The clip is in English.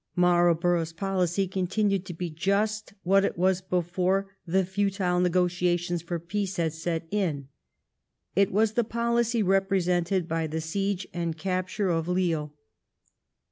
Marlborough's policy continued to be just what it was before the futile negotiations for peace had set in. It was the policy represented by the siege and capture of Lille.